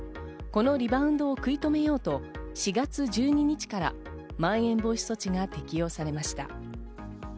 このリバウンドを食い止めようと４月１２日からまん延防止措置が適用されました。